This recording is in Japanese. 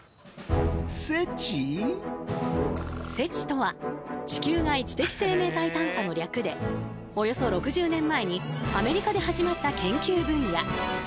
ＳＥＴＩとは「地球外知的生命体探査」の略でおよそ６０年前にアメリカで始まった研究分野。